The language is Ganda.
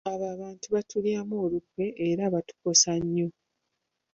Abo abantu baatulyamu olukwe era baatukosa nnyo.